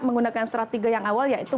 menggunakan strategi yang awal yaitu